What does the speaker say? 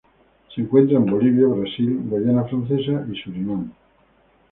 Se encuentra en Bolivia, Brasil, Guayana Francesa y Surinam.